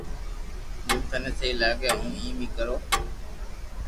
جيم ٿني سھي لاگي ھون ايم اي ڪرو